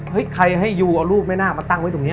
ใครให้ยูเอารูปแม่นาคมาตั้งไว้ตรงนี้